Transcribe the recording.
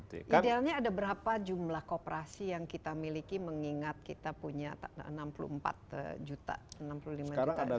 idealnya ada berapa jumlah kooperasi yang kita miliki mengingat kita punya enam puluh empat juta